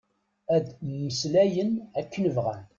Ad mmeslayen akken bɣan.